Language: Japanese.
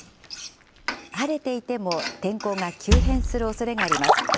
晴れていても天候が急変するおそれがあります。